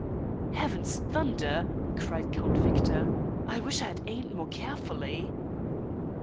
"Heaven's thunder!" cried Count Victor, "I wish I had aimed more carefully."